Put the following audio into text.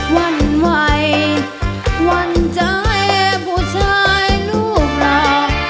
วันวัยวันใจผู้ชายลูกเรา